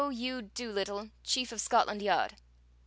U. DOOLITTLE, CHIEF OF SCOTLAND YARD.